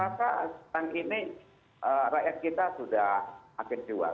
maka sekarang ini rakyat kita sudah akhir jual